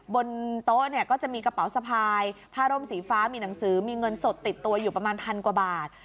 บนโต๊ะก็จะมีกระเป๋าสภายพารมสีฟ้ามีหนังสือมีเงินติดตัวอยู่๑๐๐๐บาท